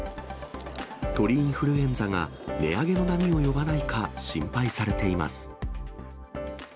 鳥インフルエンザが値上げの波を呼ばないか、心配されています。